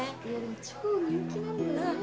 超人気なんだよね